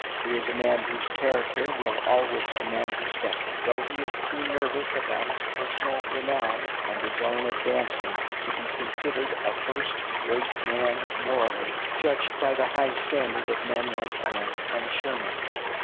He is a man whose character will always command respect, though he is too anxious about his personal renown and his own advancement to be considered a first rate man morally, judged by the high standard of men like Grant and Sherman.